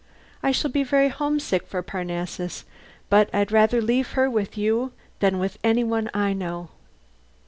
I shall be very homesick for Parnassus, but I'd rather leave her with you than with any one I know."